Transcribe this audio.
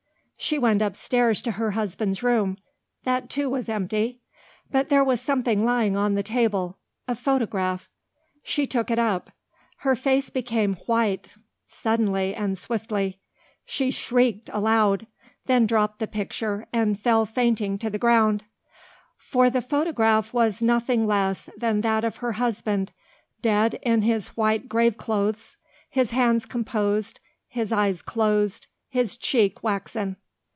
She went upstairs to her husband's room. That too was empty. But there was something lying on the table a photograph. She took it up. Her face became white suddenly and swiftly. She shrieked aloud, then drooped the picture and fell fainting to the ground. For the photograph was nothing less than that of her husband, dead in his white graveclothes, his hands composed, his eyes closed, his cheek waxen.